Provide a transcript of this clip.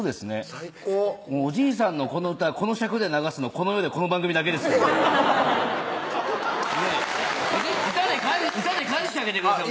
最高おじいさんのこの歌この尺で流すのこの世でこの番組だけです歌で返してあげてください